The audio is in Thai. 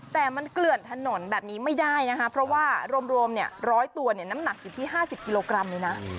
แต่มันเกลือดถนนแบบนี้ไม่ได้นะคะเพราะว่ารวมรวมเนี้ยร้อยตัวเนี้ยน้ำหนักอยู่ที่ห้าสิบกิโลกรัมเลยนะ